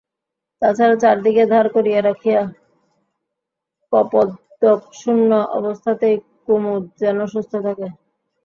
তা ছাড়া চারিদিকে ধার করিয়া রাখিয়া কপদকশূন্য অবস্থাতেই কুমুদ যেন সুস্থ থাকে।